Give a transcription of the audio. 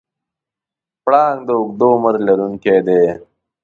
پړانګ د اوږده عمر لرونکی دی.